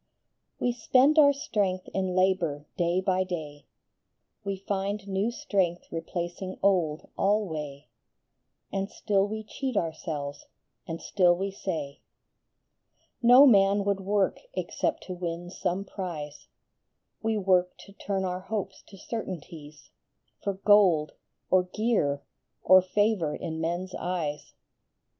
E spend our strength in labor day by day, We find new strength replacing old alway ; And still we cheat ourselves, and still we say " No man would work except to win some prize ; We work to turn our hopes to certainties, For gold, or gear, or favor in men s eyes."